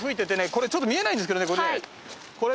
これちょっと見えないんですけどね。